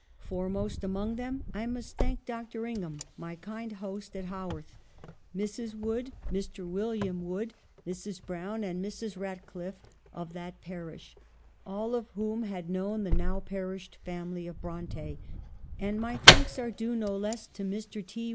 Fore most among them I must thank Dr. Ingham, my kind host at Haworth, Mrs. Wood, Mr. William INTRODUCTION. y Wood, Mrs. Brown, and Mrs. Ratcliffe of that parish — all of whom had known the now per ished family of Bronte ; and my thanks are due no less to Mr. T.